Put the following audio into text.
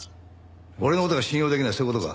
俺の事が信用できないそういう事か？